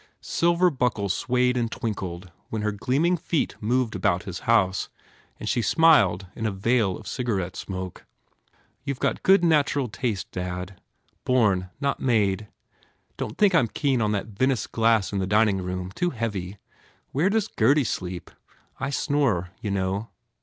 Silver buckles swayed and twinkled when her gleaming feet moved about his house and she smiled in a veil of cigarette smoke. "You ve simply natural good taste, dad. Born, not made. Don t think I m keen on that Venice glass in the dining room. Too heavy. Where does Gurdy sleep? I snore, you know?"